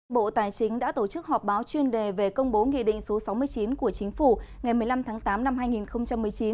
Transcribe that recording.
bộ tài chính đã tổ chức họp báo chuyên đề về công bố nghị định số sáu mươi chín của chính phủ ngày một mươi năm tháng tám năm hai nghìn một mươi chín